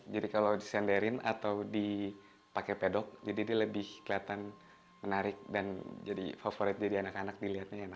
jadi kalau disenderin atau dipakai pedok jadi dia lebih kelihatan menarik dan jadi favorit jadi anak anak dilihatnya enak